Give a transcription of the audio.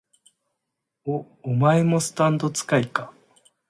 お、お前もスタンド使いか？